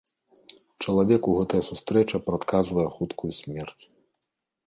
Чалавеку гэтая сустрэча прадказвае хуткую смерць.